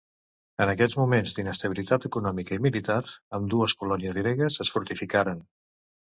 En aquests moments d'inestabilitat econòmica i militar ambdues colònies gregues es fortificaren.